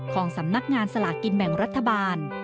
ของสำนักงานสลากกินแบ่งรัฐบาล